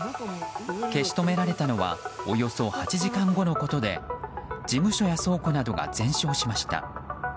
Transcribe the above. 消し止められたのはおよそ８時間後のことで事務所や倉庫などが全焼しました。